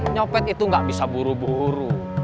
nyopet itu gak bisa buru buru